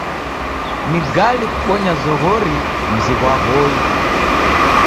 Ni gali kubonya zoghori mzi ghwa W'oi.